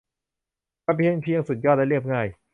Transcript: มันเป็นเพียงสุดยอดและเรียบง่าย